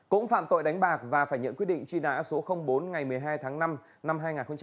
cũng phạm tội đánh bạc và phải nhận quyết định truy nã số bốn ngày một mươi hai tháng năm năm hai nghìn một mươi ba